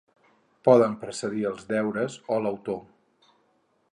Poden precedir els deures o l'autor.